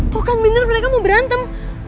tuh kan bener mereka mau berantem